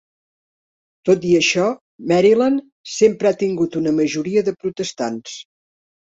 Tot i això, Maryland sempre ha tingut una majoria de protestants.